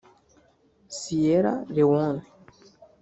Sierra Leone